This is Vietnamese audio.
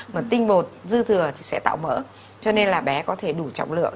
mà tinh bột dư thừa thì sẽ tạo mỡ cho nên là bé có thể đủ trọng lượng